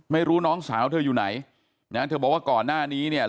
ไม่รู้น้องสาวเธออยู่ไหนนะเธอบอกว่าก่อนหน้านี้เนี่ย